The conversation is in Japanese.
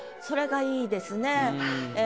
それがいいですね。